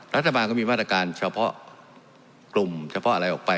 รัฐบาลก็มีมาตรการเฉพาะกลุ่มเฉพาะอะไรออกไป